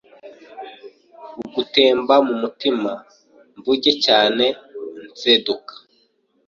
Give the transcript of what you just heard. Bugutemba ku mutima Mvuge cyane nseduka